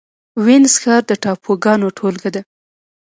وینز ښار د ټاپوګانو ټولګه ده